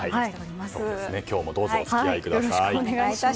今日もどうぞお付き合いください。